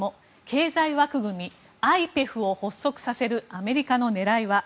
経済枠組みＩＰＥＦを発足させるアメリカの狙いは？